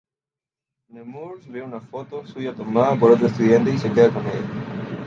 Nemours ve una foto suya tomada por otro estudiante y se queda con ella.